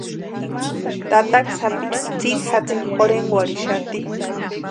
Tataka sapichu tsiri jatsini jorhenkwarhixati.